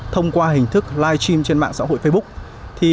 thông qua hình thức live stream trên mạng xã hội facebook